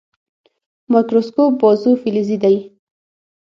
مایکروسکوپ بازو فلزي دی.